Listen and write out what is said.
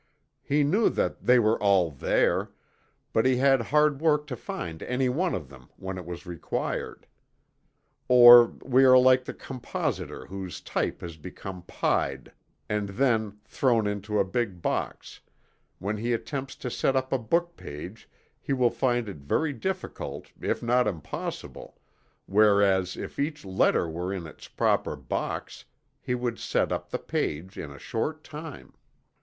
He knew that "they are all there" but he had hard work to find any one of them when it was required. Or, we are like the compositor whose type has become "pied," and then thrown into a big box when he attempts to set up a book page, he will find it very difficult, if not impossible whereas, if each letter were in its proper "box," he would set up the page in a short time.